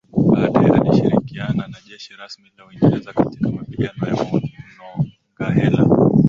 Baadae alishirikiana na jeshi rasmi la Uingereza katika mapigano ya Monongahela